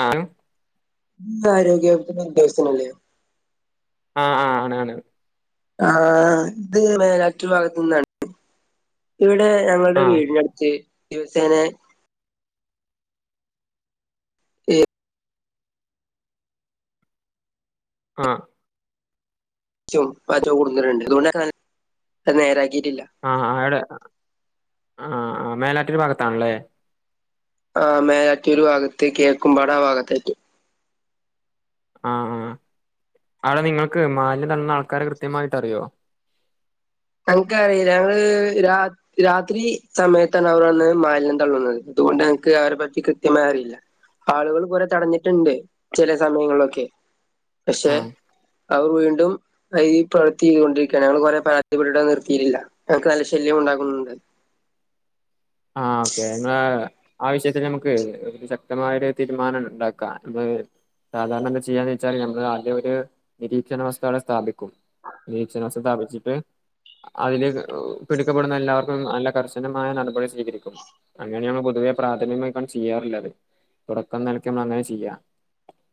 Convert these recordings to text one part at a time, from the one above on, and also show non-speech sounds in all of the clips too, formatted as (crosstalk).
ആ ഇതാരോഗ്യവകുപ്പിന്റെ ഉദ്യോഗസ്ഥനല്ലേ? ആ ആ ആണ് ആണ് ആ ഇത് വേനാറ്റുര് ഭാഗത്ത്ന്നാണ് ഇവിടെ ആ ഞങ്ങളുടെ വീടിനടുത്ത് ദിവസേനെ, ആഹ് (unintelligible) നേരാക്കി ആ ആ ഏടെ ആ മേലാറ്റൂര് ഭാഗത്താണല്ലേ? ആ മേലാറ്റൂര് ഭാഗത്ത് കിഴക്കുമ്പാട ആ ഭാഗത്തയ്റ്റ് ആഹ് ആ ആടെ നിങ്ങൾക്ക് മാലിന്യം തന്ന ആൾക്കാരെ കൃത്യമായിട്ടറിയോ? ഞങ്ങക്ക് അറീല ഞങ്ങള് രാ രാത്രി സമയത്താണ് അവര് വന്ന് മാലിന്യം തള്ളുന്നത് അതുകൊണ്ട് എനക്ക് അവരെ പറ്റി കൃത്യമായറിയില്ല ആളുകള് കൊറേ തടഞ്ഞിട്ട്ണ്ട് ചില സമയങ്ങളിലൊക്കെ ആ പക്ഷെ അവ വീണ്ടും ഈ പ്രവർത്തി ചെയ്തൊണ്ടിരിക്കയാണ് ഞങ്ങള് കൊറെ പരാ തിപ്പെട്ടിട്ടത് നിർത്തീറ്റില്ല ഞങ്ങ്ക്ക് നല്ലെ ശല്ല്യം ഉണ്ടാകുന്നുണ്ട് ആ ഓക്കെ ങ്ങ ആ വിശ്യത്തിന് നമുക്ക് ഒരു ശക്തമായ ഒരു തീരുമാനം ണ്ടാക്കാം സാധാരണ എന്താ ചെയ്യാന്ന് വെച്ചാല് നമ്മള് ആദ്യ ഒരു നിരീക്ഷണ വസ്തു അവടെ സ്ഥാപിക്കും നിരീക്ഷണ വസ്തു സ്ഥാപിച്ചിട്ട്, അതില് പിടിക്കപ്പെടുന്ന എല്ലാവർക്കും നല്ല കർശനമായ നടപടി സ്വീ കരിക്കും അങ്ങനെയാണ് പൊതുവെ പ്രാഥമികമായിക്കാണ്ട് ചെയ്യാറ്ള്ളത് തുടക്കെന്നെലക്ക് നമ്മളങ്ങനെ ചെയ്യ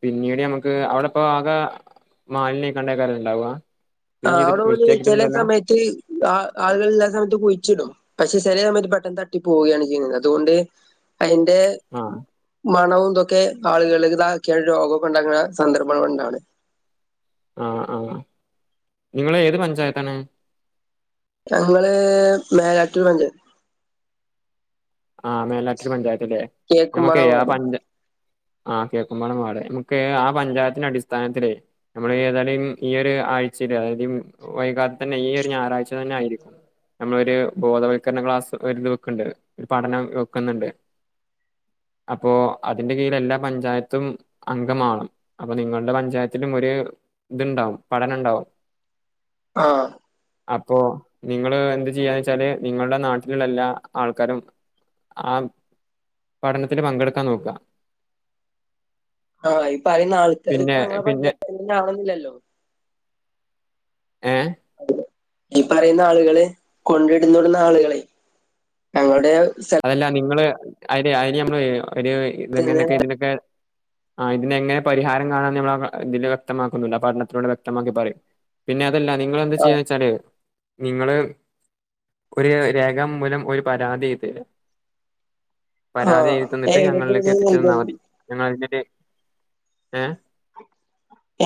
പിന്നീട് നമുക്ക് അവടപ്പാകെ മാലിന്യയ്ക്കാണ്ടേക്കാരല്ലേ ണ്ടാവാ ആ അവടെ ഓല് ചെലെ സമയത്ത് ആ ആളുകൾ ഇല്ലാത്ത സമയത്ത് കുഴിച്ചിടും പക്ഷെ ചെലെ സമയത്ത് പെട്ടെന്ന് തട്ടി പോവുകയാണ് ചെയ്യുന്നത് അതുകൊണ്ട്, അയിന്റെ, ആഹ് മണവും ഇതൊക്കെ ആളുകള് താക്കിയാല് രോഗൊക്കെണ്ടാക്ക്ണ, സന്ദർഭം കൊണ്ടാണ് ആഹ് ആഹ് നിങ്ങള് ഏത് പഞ്ചായത്താണ്? ഞങ്ങള് മേലാറ്റൂർ പഞ്ചായത്ത് ആ മേലാറ്റുര് പഞ്ചായത്ത്ലേ ഞമ്മക്കേ കേക്കുംപാടം ആ വാർഡ്. പഞ്ച ആഹ് കേക്കുമ്പാടം വാഡ് ഞമ്മക്ക്, ആ പഞ്ചായത്തിനടിസ്ഥാനത്തിലേ നമ്മള് ഏതായാലും ഈയൊര്, ആഴ്ചയില് അതായത് ഈ വൈകാതെ തന്നെ ഈ ഒര് ഞായറാഴ്ച തന്നായിരിക്കും നമ്മളൊരു ബോധവൽക്കരണ ക്ലാസ്സ് ഒര്ത് വെക്ക്ണ്ടത് ഒരു പഠനം വെക്കുന്നുണ്ട് അപ്പോ അതിന്റെ കീഴിലെല്ലാ പഞ്ചായത്തും അംഗമാവണം അപ്പൊ നിങ്ങളുടെ പഞ്ചായത്തിലുമൊര്, ഇത്ണ്ടാവും പഠനണ്ടാവും ആ അപ്പോ നിങ്ങള് എന്ത് ചെയ്യാന്ന് വെച്ചാല് നിങ്ങളുടെ നാട്ടിലുള്ള എല്ലാ ആൾക്കാരും ആ പഠനത്തിൽ പങ്കെടുക്കാൻ നോക്കുക ആ ഈ പറയുന്ന ആൾക്കാർ ഇപ്പ പിന്നെ ഞങ്ങളെ പിന്നെ പഞ്ചായത്താവണുന്നില്ലല്ലോ? ഏഹ് അത ഈ പറയുന്ന ആളുകള് കൊണ്ടിടുന്നിടുന്ന ആളുകളെ ഞങ്ങളുടെ അതല്ല നിങ്ങള് അ അതിന് നമ്മള് ഒരു സ്ഥലത്ത് നിന്ന് ഇതെങ്ങനൊക്കെ ഇതിനൊക്കെ ആ് ഇതിനന് എങ്ങനെ പരിഹാരം കാണാന്ന് നമ്മള ഇതില് വ്യക്തമാക്കുന്നുണ്ട് പഠനത്തിലനൂടെ വ്യക്തമാക്കി പറയും പിന്നെ അതല്ല നിങ്ങെന്ത് ചെയ്യ ആഹ് വെച്ചാല് നിങ്ങള് ഒരു രേഖാ മൂലം ഒരു പരാതി തരാ പരാതി ആഹ് എഴുതിതന്നിട്ട് ഞങ്ങളിലേക്ക് എവിടെയാണ് എത്തിച്ചതാൽ മതി ഞങ്ങൾ (unintelligible) എ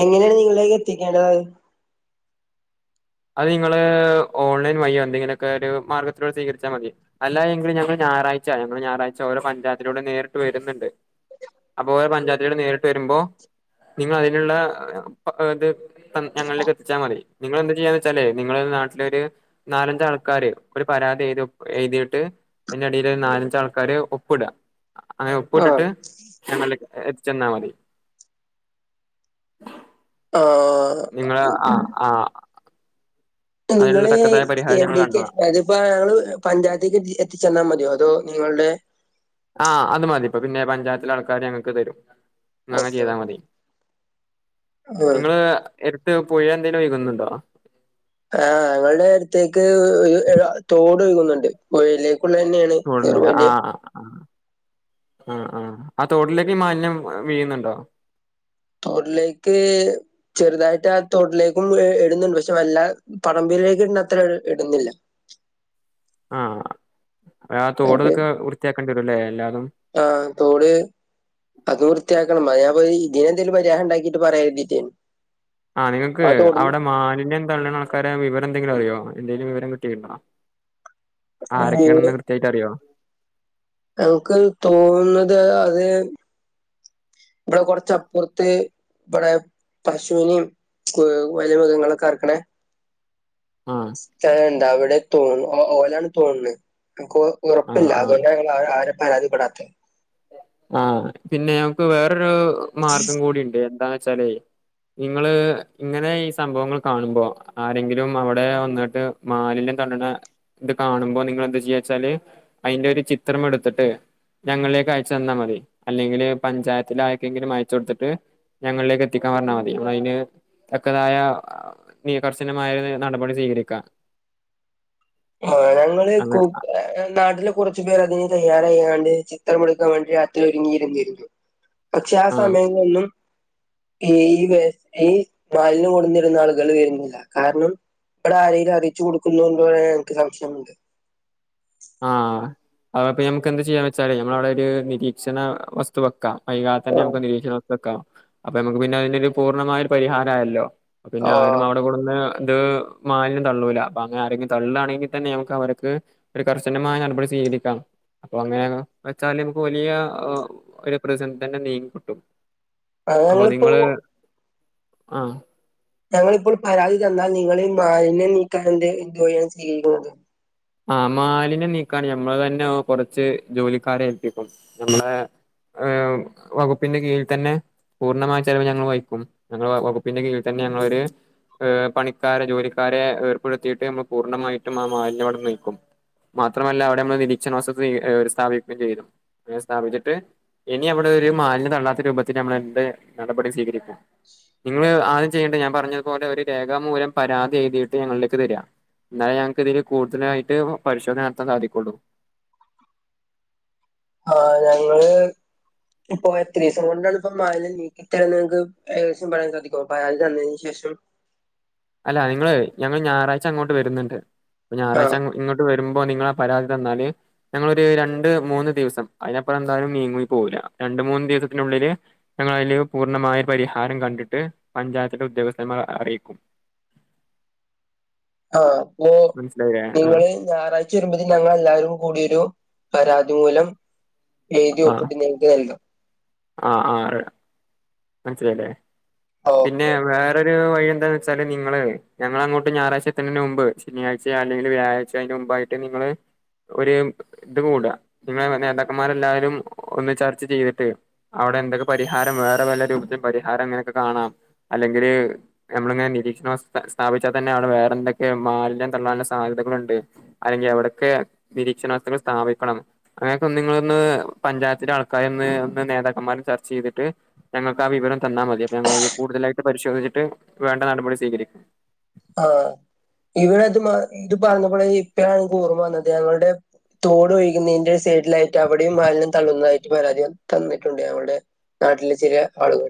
(inaudible) എങ്ങനെയാണ് നിങ്ങളേക്ക് എത്തിക്കേണ്ടത് അത് നിങ്ങള് ഓൺലൈൻ വയ്യോ എന്തെങ്കിലുമൊക്കെ ഒരു മാർഗത്തിലൂട് സ്വീരിച്ചാൽ മതി അല്ല എങ്കും (unintelligible) ഞായറാഴ്ച ഞങ്ങൾ ഞായറാഴ്ച ഓരോ പഞ്ചായത്തിലൂടെ നേരിട്ട് വരുന്നുണ്ട് അപ്പോ ഓരോ പഞ്ചായത്തുകൾ നേരിട്ട് വരുമ്പോ നിങ്ങ അതിനുള്ളത് (unintelligible) (inaudible) ഞങ്ങളിലേക്ക് എത്തിച്ചാൽ മതി നിങ്ങൾ എന്ത് ചെയ്യാ, (unintelligible) നിങ്ങള് നാട്ടിലൊ ഒരു നാലഞ്ച ആൾക്കാര് ഒരു പരാതി (unintelligible) എഴുതിട്ട് അതിന്റെ അടിയിൽ ഒരു നാലഞ്ച ആൾക്കാാര് ഒപ്പ ഇടുക അങ്ങനെ ഒപ്പ ആഹ് ഇട്ടിട്ട് ചെന്നമതി ആ നിങ്ങൾ ആ ആ അതിനുള്ള നിങ്ങള് തക്കതായ പരിഹാരം ഞങ്ങൾ എവിടേക്ക കണ്ടോളാം അതിപ്പോ ഞങ്ങള് പഞ്ചായത്തേക്ക് എത്തിച്ചെന്നാൽ മതിയോ അതോ? നിങ്ങളുടെ ആഹ് അത് മതി ഇപ്പ പിന്നെ പഞ്ചായത്തിലെ ആൾക്കാാര് ഞങ്ങൾക്ക് തരും ന അങ്ങനെ ഓക്കെ ചെയ്താ ഓക്കെ മതി ആഹ് നിങ്ങള് എടുത്ത് പുഴ എന്തേലും ഒഴു കുന്നുണ്ടോ? ആഹ് ഞങ്ങളുടെ അടുത്തേക്ക് (unintelligible) തോട് ഒഴുകുന്നുണ്ട് പുഴലേക്ക് തോടില് (unintelligible) ആഹ ആഹ് ആ തോട്ടിലേക്ക് ഈ മാലിന്യം വീയുന്നുണ്ടോ? തോട്ടിലേക്ക് ചെറുതായിട്ട് ആ തോട്ടിലേക്കും ഇടുന്നുണ്ട് പക്ഷെ വല്ല പറമ്പിലിലേക്ക് ഇട അത്ര ഇടുന്നില്ല, ആഹ അ അത് തോടതൊക്കെ വൃത്തിയാക്കേണ്ടി വരുല്ലേ എല്ലാതും ആഹ് തോട് അത് വൃത്തിയാക്കണം ഞാൻ ഇതിനെന്തെങ്കലും പരിഹാരം ഉണ്ടാക്കിയിട്ട് പറയൻ വേണ്ടിട്ടാണ് ആഹ നിങ്ങക്ക് അവിടെ മാലിന്യം തള്ളുന്ന ആൾക്കാരെ വിവരം എന്തെങ്കിലും അറിയോ? എന്തെലും വിവരം കിട്ടിയിട്ടുണ്ടോ ഏഹ് ആരൊക്കെയാണെന്ന് കൃത്യായിട്ട് അറിയോ? ഞങ്ങക്ക് തോന്നുന്നത് അത് ഇവിടെ കുറച്ചപ്പുറത്തെ ഇവിടെ പശുവിനെയും വലിയ മൃഗങ്ങളക്കെർക്കണേ, ആഹ് സ്ഥലണ്ട അവിടെ തോന്നു ഓലാണ് തോന്നുന്നത് ക്ക് ആഹ് ഉറപ്പില്ല ആഹ് അതുകൊണ്ടാണ്ഞ ആരെ പരാതിപ്പെടാത്തത് ആഹ പിന്നെ ഞമുക്ക് വേറൊരു മാർഗം കൂടിണ്ട് എന്താന്ന് വെച്ചാലേ നിങ്ങള് ഇങ്ങനെ ഈ സംഭവങ്ങൾ കാണുമ്പോ ആരെങ്കിലും അവിടെ വന്നിട്ട് മാലി (unintelligible) ഇത് കാണുമ്പോ നിങ്ങള് എന്താ ചെയച്ചാല് അതിന്റെ ഒരു ചിത്രം എടുത്തിട്ട് ഞങ്ങളിലേക്ക് അയച്ചു തന്നാൽ മതി അല്ലെങ്കില് പഞ്ചായത്തില ആക്കെങ്കിലും അയച്ച കൊടുത്തിട്ട് ഞങ്ങളിലേക്ക് എത്തിക്കാൻ പറഞ്ഞാൽ മതി അതിന് തക്കതായ കർശനമായ നടപടി സ്വീകരിക്കാം. ആ ഞങ്ങള് അങ്ങനെ (unintelligible) നാട്ടിലെ കുറച്ചു പേർ അതിന് തയ്യാറായാണ്ട് ചിത്രം എടുക്കാൻ വേണ്ടി രാത്രി ഒരുങ്ങിയിരുന്നിരുന്നു പക്ഷെ ആ സമയങ്ങളൊന്നും ഈ.. വെ മാലിന്യം കൊട്ന്നിരുന്ന ആളുകൾ വരുന്നില്ല കാരണം. ഇവടെ ആരെയിലും അറിച്ചു കൊടുക്കുന്നുണ്ടോ (unintelligible) എനിക്ക് സംശയമുണ്ട്. ആഹ് അഅപ്പ മ്മക്ക് എന്താ ചെയ്യാന്ന് വെച്ചാല് നമ്മള അഉടെ ഒരു നിരീക്ഷണ വസ്തു വെക്കാം. വൈകാതെ തന്നെ ആ മുക്ക് നിരീക്ഷണ വക്കാം അപ്പൊ നമുക്ക് പിന്നെ അയിന് ഒരു പൂർണ്ണമായ ഒരു പരിഹാരയല്ലോ. പിന്നെ ആ, ആരും അവിടെ കൊട്ന്ന്. ഇത് മാലിന്യം തള്ളൂല അപ്പൊ അങ്ങനെ ആരെങ്കിലും തള്ളാണെങ്കിൽ തന്നെ നമക്ക് അവര്ക്ക്. ഒരു കർശനമായ നടപടി സ്വീകരിക്കാം. അപ്പൊ അങ്ങനെ ഹ് വെച്ചാല് നമുക്ക് വലിയ ഹ്.. ഒരു പ്രതിസന്ധി തന്നെ നീങ്ങി കിട്ടും. അഹ് അപ്പൊ ഞങ്ങളിപ്പോ നിങ്ങള് ആഹ്. ഞങ്ങളിപ്പോൾ പരാതി തന്നാൽ നിങ്ങളീ മാലിന്യം നീക്കാൻ ന്തെ എന്ത് വഴി ചെയ്യുന്നത്? ആ മാലിന്യം നീക്കാണ് ഞമ്മള് തന്നെ കൊറച്ച് ജോലിക്കാരെ ഏൽപ്പിക്കും ഞമ്മളെ. ഏഹ് വകുപ്പിന്റെ കീഴിൽ തന്നെ. പൂർണ്ണമായ ചെലവ് ഞങ്ങൾ വഹിക്കും ഞങ്ങള വ വകുപ്പിന്റെ കീഴിൽ തന്നെ ഞങ്ങളൊര് ഏഹ് പണിക്കാരെ ജോലിക്കാരെ ഏർപ്പെടുത്തിയിട്ട് നമ്മൾ പൂർണ്ണമായിട്ടും ആ മാലിന്യം അവിട്ന്നീക്കും. മാത്രമല്ല അവിടെ മ്മൾ (unintelligible) ഒരു സ്ഥാപിക്കുകയും ചെയ്തു അനെ സ്ഥാപിച്ചിട്ട്. ഇനി അവിടെ ഒരു മാലിന്യം തള്ളാത്ത രൂപത്തിൽ നമ്മള് എന്ത് നടപടി സ്വീകരിക്കും? നിങ്ങള് ആദ്യം ചെയ്യേണ്ടേ ഞാൻ പറഞ്ഞതുപോലെ ഒരു രേഖാമൂലം പരാതി എഴുതിയിട്ട് ഞങ്ങളിലേക്ക് തരാ. ഇന്നാലെ ഞങ്ങക്ക് ഇതില് കൂടുതലായി ട്ട് പരിശോധന നടത്താൻ സാധിക്കുള്ളൂ. ആഹ് ഞങ്ങള്. ഇപ്പൊ എത്രീസം കൊണ്ടാണ് ഇപ്പ മാലിന്യം നീക്കി തെര്ന ങ്ങക്ക് ഏകദേശം പറയാൻ സാധിക്കൊ പരാതി തന്നതിന് ശേഷം. (inaudible) അല്ല നിങ്ങള് ഞങ്ങള് ഞാറായ്ച അങ്ങോട്ട് വരുന്നുണ്ട് അപ്പൊ ഞാറാഴയ്ച ആഹ് ഇങ്ങോട്ട് വരുമ്പോ നിങ്ങള പരാതി തന്നാല് ഞങ്ങളൊര് രണ്ട് മൂന്ന് ദിവസം അതിനപ്പറം എന്തായാലും നീങ്ങുയി പോവൂല രണ്ട്മൂന്ന് ദിവ (unintelligible) ത്തിനുള്ളില് ഞങ്ങളയിൽ പൂർണ്ണമായ പരിഹാരം കണ്ടിട്ട് പഞ്ചായത്തിന്റെ ഉദ്യോഗസ്ഥന്മാർ അറിയിക്കും. ആഹ് അപ്പോ മനസ്സിലായില്ലേ ആ നിങ്ങള് ഞായറായ്ച വരുമ്പോതി ഞങ്ങൾ എല്ലാരും കൂടിയൊ രു പരാതി മൂലം. എഴുതി ആ ഒപ്പിട്ട് നിങ്ങക്ക് നൽകാം. ആ ആ മനസ്സിലായില്ലേ ഓക്കെ പിന്നെ ഓക്കെ. വേറൊരു വഴി എന്താ ച്ചാല് നിങ്ങള് ഞങ്ങള് അങ്ങോട്ട് ഞാറായ്ച്ചെത്ത്ണീന്റെ മുമ്പ് ശനിയായ്ചയോ അല്ലെങ്കിൽ വ്യാഴാഴ്ച യ്ച്ചയോ അയിന്റെ മുമ്പായിട്ട് നിങ്ങള്. ഒരു ഇത് കൂട്അ നിങ്ങളെ നേതാക്കന്മാരെല്ലാരും ഒന്ന് ചർച്ച ചെയ്തിട്ട് അ അവിടെ എന്തൊക്കെ പരിഹാരം വേറെ വല്ല (unintelligible) പരിഹാരം അങ്ങനെയൊക്കെ കാണാം അല്ലെങ്കിൽ നമ്മളിങ്ങനെ നിരീക്ഷണ വസ്തു സ്ഥാപിച്ചാൽന്നെ അവിടെ വേറെ ടെന്തൊക്കെ മാലിന്യം തള്ളാനുള്ള സാധ്യതകളുണ്ട് അല്ലെങ്കിൽ എവിടൊക്കെ നിരീക്ഷണ വസ്തുകൾ സ്ഥാപിക്കണം. അങ്ങനെയൊക്കെ ഒന്നിങ്ങളൊന്ന് പഞ്ചായത്തിലെ ആൾക്കാരെ ഒന്ന് ഒന്ന് നേതാക്കന്മാരും ചർച്ച ചെയ്തിട്ട്. ഞങ്ങൾക്ക് ആ വിവരം തന്നാ മതി അപ്പൊ ഞങ്ങളയിന് കൂടുതലായിട്ട് പരിശോധിച്ചിട്ട് വേണ്ട നടപടി സ്വീകരിക്കും. ആഹ് ഇവിടെത് മാ ഇത് പറഞ്ഞപ്പൊളെ ഇപ്പഴാണ് ൻക്ക് ഓർമ്മ വന്നത് ഞങ്ങളുടെ. തോട് ഒഴികുന്നതിന്റെ സൈഡിലായിട്ട് അവിടെയും മാലിനും തള്ളുന്നതായിട്ട് പരാതി തന്നിട്ടുണ്ട് നമ്മടെ. നാട്ടിലെ ചില ആളുകൾ.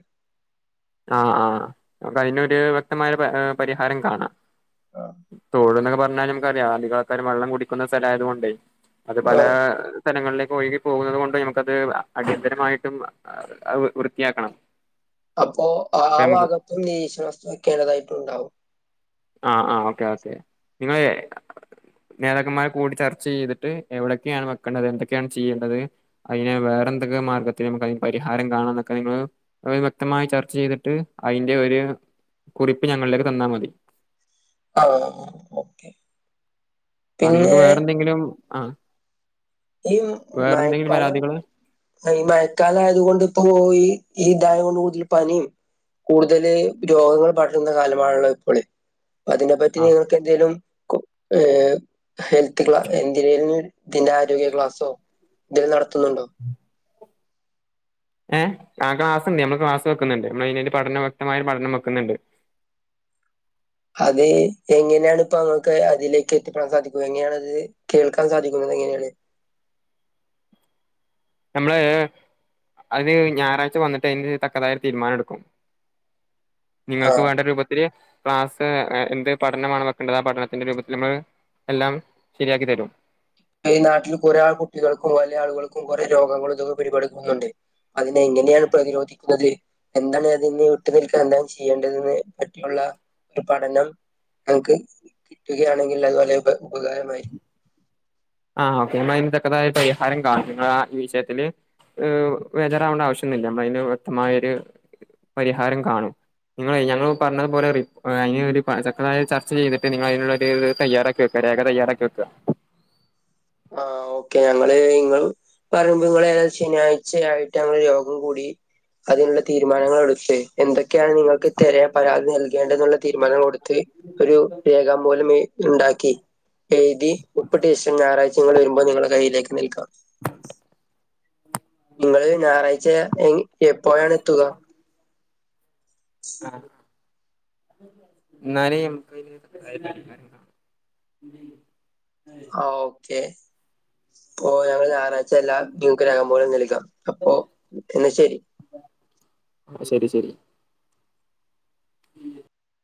ആ ആഹ് അപ്പൊ അയിനൊരു വ്യക്തമായ പ ഹ് പരിഹാരം കാണാം. തോട് ന്നൊക്കെ പറഞ്ഞാല് നമക്ക്റിയാം അധികാള്ക്കാരും വെള്ളം കുടിക്കുന്ന സ്ഥല ആയതുകൊണ്ടേ. അത് പല ആഹ് ഹ്.. സ്ഥലങ്ങളിലേക്ക് ഒഴുകി പോകുന്നത് കൊണ്ട് നമുക്കത് അ ഹ് അടിയന്തരമായിട്ടും അ അ ഹ് വ് വൃത്തിയാക്കണം. അപ്പോ ആ അപ്പ നമുക്ക് ഭാഗത്തും നിരീഷണസ്തു വെക്കേണ്ടതായിട്ടുണ്ടാവും. ആ.. ആ.. ഓക്കെ ഓക്കെ നിങ്ങള്. നേതാക്കന്മാര് കൂടി ചർച്ച ചെയ്തിട്ട് എവിടൊക്കേണ് വെക്കേണ്ടത് എന്തൊക്കെയാണ് ചെയ്യേണ്ടത് അയിനെ വെ റന്തൊക്കെ മാർഗ്ഗത്തിൽ നമുക്കയിന് പരിഹാരം കാണാംന്നൊക്കെ നിങ്ങൾ വ്യക്തമായി ചർച്ച ചെയ്തിട്ട് അയിന്റെ ഒര് കുറിപ്പ് ഞങ്ങളിലേക്ക് തന്നാൽ മതി. ആഹ് ഓക്കെ. ആ നിങ്ങൾക്ക് പിന്നെ വേറെ എന്തെങ്കിലും ആ ഈ വേറെന്തെങ്കിലും മഴക്കാലം പരാതികള് ഈ മഴക്കാലം ആയതുകൊണ്ട് ഇപ്പോ പോയി ഈ ദായം കൊണ്ട് ഊതിൽ പനി കൂടുതല് രോഗങ്ങൾ പടരുന്ന കാലമാണല്ലോ ഇപ്പോള് അതിനെപ്പറ്റി ആ നിങ്ങൾക്ക് എന്തെലും കോ കെ ഹെൽത്ത് (inaudible) ആരോഗ്യ ക്ലാസോ ഇതിൽ നടത്തുന്നുണ്ടോ ഏ ആ ക്ലാസ്സുണ്ട് നമ്മള് ക്ലാസ് വെക്കുന്നുണ്ട് നമ്മള് പഠന അതിനെ വ്യക്തമായിട്ട് പഠനം വെക്കുന്നുണ്ട് (inaudible) അത് എങ്ങനെയാണ് ഇപ്പൊ ഞങ്ങൾക്ക് അതിലേക്ക് എത്തിപ്പെടാൻ സാധിക്കും എങ്ങനെയാണത് കേൾക്കാൻ സാധിക്കുന്നത് എങ്ങനെയാണ് നമ്മള്ള്ള് അത് ഞായറാഴ്ച വന്നിട്ട് അതിന്റെ തക്കതായ ഒരു തീരുമാനം എടുക്കും നിങ്ങൾക്ക് ആഹ് വേണ്ട രൂപത്തില് ക്ലാസ് എന്ത് പഠനമാണ് വെക്കേണ്ടത് ആ പഠനത്തിന്റെ രൂപത്തിൽ നമ്മൾ എല്ലാം ശരിയാക്കി തരും ഈ നാട്ടിൽ കുറെ ആൾ കുട്ടികൾക്കും വലിയ ആളുകൾക്കും കുറെേ രോഗങ്ങളും ഇതൊക്കെ പിടിപെടുക്കുന്നുണ്ട് അതിന് എങ്ങനെയാണ് പ്രതിരോധിക്കുന്നത് എന്താണ് ഞാൻ നിന്നെ വിട്ടു നിൽക്കാൻ എന്താണ് ചെയ്യേണ്ടതെന്ന് പറ്റിയുള്ള ഒരു പഠനം ഞങ്ങൾക്ക് കിട്ടുകയാണെങ്കിൽ അത് വളരെ ഉപകാരമായിരിക്കും ആ ഓക്കെ അതിനെ തകത്തായ പരിഹാരം കാണും നിങ്ങളുടെ ആ വിഷയത്തിന് ഏ, വജറാവേണ്ട ആവശ്യമെന്നുമില്ല നമ്മ അതിന് വ്യക്തമായൊരു പരിഹാരം കാണും. നിങ്ങൾ ഞങ്ങൾ പറഞ്ഞതുപോലെ റി അ ഒരു തക്കതായ ചർച്ച ചെയ്തിട്ട് നിങ്ങൾ അതിനുള്ള ഒരു തയ്യാറാക്കി വെക്കാം. വേഗം തയാറാക്കി വെക്കാം ആ ഓക്കെ ഞങ്ങള് നിങ്ങള് പറമ്പുങ്ങളെ ശനിയാഴ്ചയായിട്ട് ഒരു യോഗം കൂടി അതിനുള്ള തീരുമാനങ്ങൾ എടുത്തെ എന്ത് എന്തൊക്കെയാണ് നിങ്ങൾക്ക് തെരെ പരാതി നൽകേണ്ടതുള്ള തീരുമാനങ്ങ കൊടുത്ത് ഒരു രേഖാമൂലം ഈ ഉണ്ട ഒക്കെ എഴുതി ഉപ്പിട്ട് ശേഷം ഞായറാഴ്ച നിങ്ങൾ വരുമ്പോൾ നിങ്ങളുടെ കയ്യിലേക്ക് നൽക്കാം നിങ്ങള് ഞായറാഴ്ച എപ്പോഴാണ് എത്തുക എന്നാൽ നമ്മുക്ക് അതിന് പരിഹാരം കാണാം ആ ഓക്കെ ഈ പോയെർന്നോ ഞായറാഴ്ച എല്ലാം നിങ്ങൾക്ക് രോഖമൂലം നൽക്കാം അപ്പൊ എന്നാ ശരി ആ ശരി ശരി ഉം